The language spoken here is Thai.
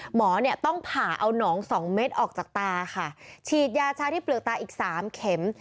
หมอเนี่ยต้องผ่าเอาหนองสองเม็ดออกจากตาค่ะฉีดยาชาที่เปลือกตาอีกสามเข็ม